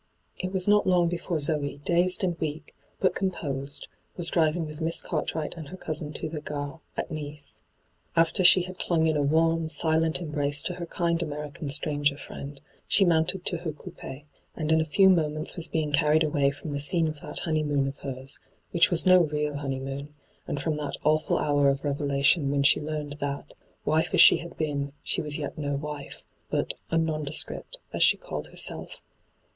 It was not long before Zoe, dazed and weak, but composed, was driving with Miss Cartwright and her cousin to the gare at Nice. After she had clung in a warm, silent embrace to her kind American stranger friend, she mounted to Her covpi, and in a few momenta was being carried away &om the scene of that honeymoon of hers, which was no real honeymoon, and from that awfiil hour of revelation when she learned that, wife hyGoogIc 256 ENTRAPPED as she had been, she was yet no wife, bat ' a nondescript,' as she called herself.